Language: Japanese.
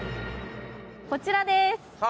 こちらです。